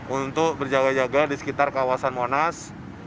untuk berjaga jaga di sekitar kawasan monas